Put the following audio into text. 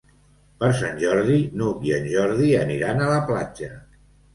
Per Sant Jordi n'Hug i en Jordi aniran a la platja.